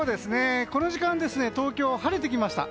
この時間、東京晴れきました。